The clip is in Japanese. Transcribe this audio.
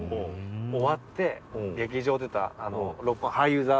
終わって劇場出た俳優座？